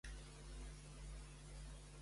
A qui s'adorava en aquest?